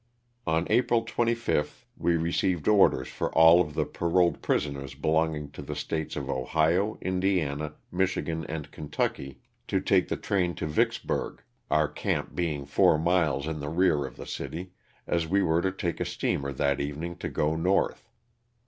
On April 25th we received orders for all of the paroled prisoners belonging to the States of Ohio, Indiana, Michigan, and Kentucky to take the train to Ticks 268 LOSS OF THE SULTANA. burg, our camp being four miles in the rear of the city, as we were to take a steamer that evening to go north.